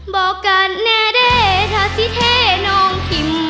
บอกกันแน่ได้ถ้าสิทธิ์ให้น้องทิม